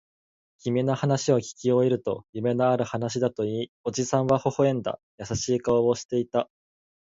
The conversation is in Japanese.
君の話をきき終えると、夢のある話だと言い、おじさんは微笑んだ。優しい顔をしていた。